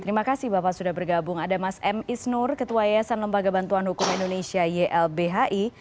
terima kasih bapak sudah bergabung ada mas m isnur ketua yayasan lembaga bantuan hukum indonesia ylbhi